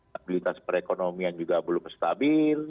stabilitas perekonomian juga belum stabil